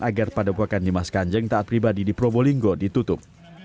agar padepokan dimas kanjeng taat pribadi di probolinggo ditutup